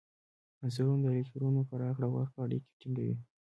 عنصرونه د الکترونونو په راکړه ورکړه اړیکې ټینګوي.